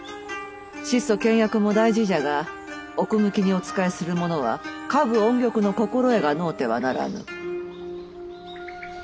質素倹約も大事じゃが奥向きにお仕えする者は歌舞音曲の心得がのうてはならぬ。